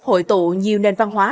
hội tụ nhiều nền văn hóa